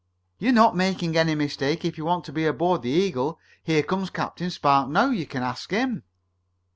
"You're not making any mistake if you want to be aboard the Eagle. Here comes Captain Spark now. You can ask him."